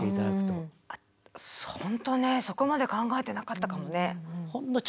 そこまで考えてなかったかもね。